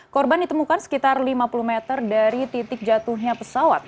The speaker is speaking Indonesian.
korban ditemukan sekitar lima puluh meter dari titik jatuhnya pesawat